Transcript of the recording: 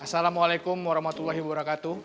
assalamualaikum warahmatullahi wabarakatuh